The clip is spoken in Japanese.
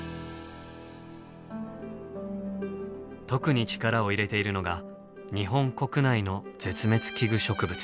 特に力を入れているのが日本国内の絶滅危惧植物。